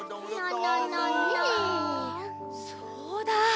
そうだ！